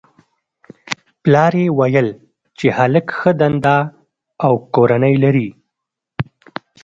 پلار یې ویل چې هلک ښه دنده او کورنۍ لري